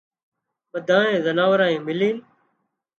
ٻڌانئي زنارانئي ملينَ